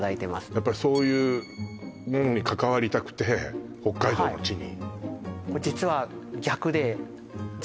やっぱそういうものに関わりたくて北海道の地に？